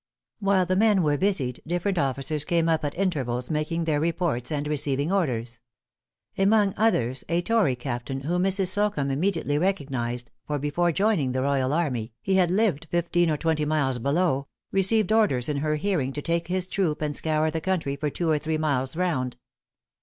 While the men were busied, different officers came up at intervals, making their reports and receiving orders. Among others, a tory captain, whom Mrs. Slocumb immediately recognized for before joining the royal army, he had lived fifteen or twenty miles below received orders in her hearing to take his troop and scour the country for two or three miles round.